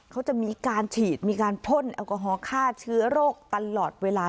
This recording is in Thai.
เขาจะมีการฉีดมีการพ่นแอลกอฮอลฆ่าเชื้อโรคตลอดเวลา